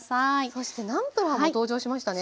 そしてナンプラーも登場しましたね。